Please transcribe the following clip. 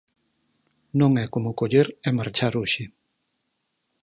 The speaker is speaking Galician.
Non é como coller e marchar hoxe.